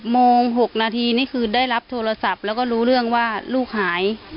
โมง๖นาทีนี่คือได้รับโทรศัพท์แล้วก็รู้เรื่องว่าลูกหาย